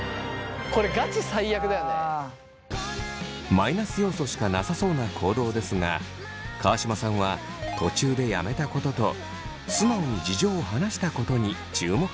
マイナス要素しかなさそうな行動ですが川島さんは途中でやめたことと素直に事情を話したことに注目しました。